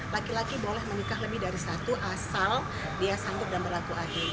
laki laki boleh menikah lebih dari satu asal dia sanggup dan berlaku adil